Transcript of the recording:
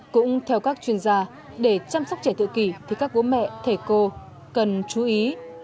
cũng theo các chuyên gia để chăm sóc trẻ tự kỷ thì các bố mẹ thầy cô cần chú ý